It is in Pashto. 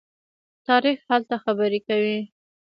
تاریخ هلته خبرې کوي.